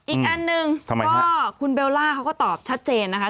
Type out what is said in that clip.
อีกอันหนึ่งก็คุณเบลล่าเขาก็ตอบชัดเจนนะคะ